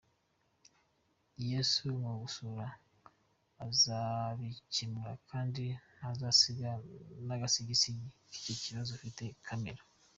Yesu nagusura azabikemura kandi ntazasiga n’agasigisigi k’icyo kibazo ufite, komera.